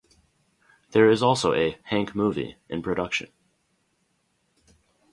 There is also a 'Hank movie' in production.